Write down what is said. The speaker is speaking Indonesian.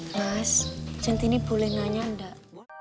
mas jentini boleh nanya enggak